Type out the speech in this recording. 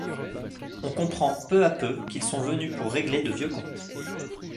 On comprend peu à peu qu'ils sont venus pour régler de vieux comptes.